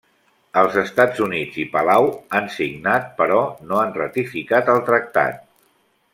Els Estats Units i Palau han signat, però no han ratificat el tractat.